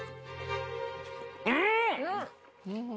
うん！